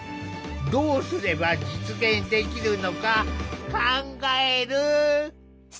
どうすれば実現できるのか考える！